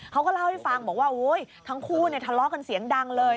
เขาก็เล่าให้ฟังบอกว่าโอ๊ยทั้งคู่เนี่ยทะเลาะกันเสียงดังเลย